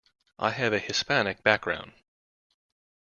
I have a Hispanic background